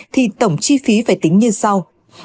thì tổng chi phí phải tính như sau